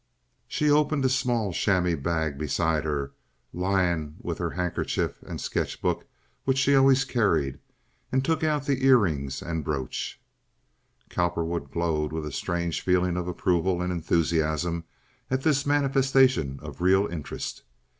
She opened a small chamois bag beside her—lying with her handkerchief and a sketch book which she always carried—and took out the ear rings and brooch. Cowperwood glowed with a strange feeling of approval and enthusiasm at this manifestation of real interest.